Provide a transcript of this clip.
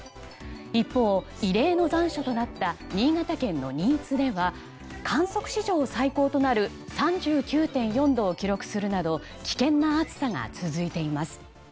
一方、異例の残暑となった新潟県の新津では観測史上最高となる３９．４度を記録するなど危険な暑さが続いています。